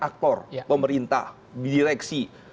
aktor pemerintah direksi